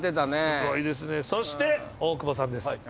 そして大久保さんです。